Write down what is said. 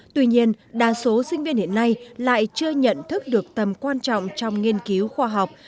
tuy nhiên đa số sinh viên hiện nay lại chưa nhận thức được tầm quan trọng trong nghiên cứu khoa học